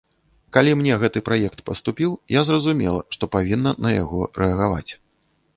Калі мне гэты праект паступіў, я зразумела, што павінна на яго рэагаваць.